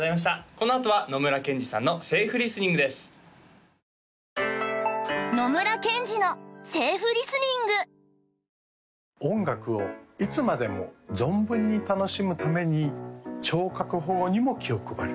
このあとは野村ケンジさんのセーフリスニングです音楽をいつまでも存分に楽しむために聴覚保護にも気を配る